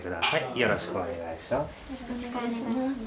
よろしくお願いします。